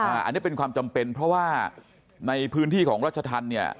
อันนี้เป็นความจำเป็นเพราะว่าในพื้นที่ของรัชธรรมเนี่ย